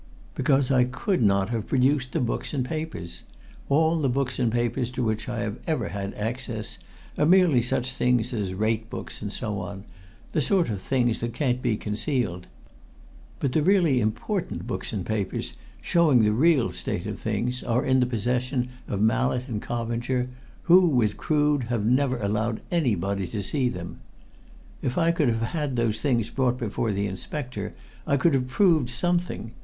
"Because I could not have produced the books and papers. All the books and papers to which I have ever had access are merely such things as rate books and so on the sort of things that can't be concealed. But the really important books and papers, showing the real state of things, are in the possession of Mallett and Coppinger, who, with Crood, have never allowed anybody to see them. If I could have had those things brought before the inspector, I could have proved something.